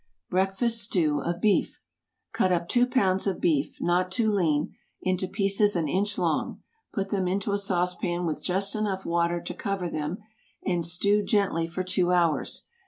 BREAKFAST STEW OF BEEF. ✠ Cut up two pounds of beef—not too lean—into pieces an inch long; put them into a saucepan with just enough water to cover them, and stew gently for two hours.